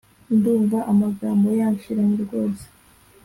Ndumva amagambo yanshiranye rwose